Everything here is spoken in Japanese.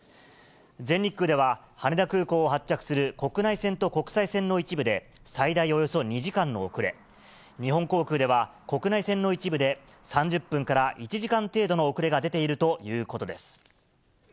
全日空では、羽田空港を発着する国内線と国際線の一部で、最大およそ２時間の遅れ、日本航空では、国内線の一部で、３０分から１時間程度の遅れが出ているということです。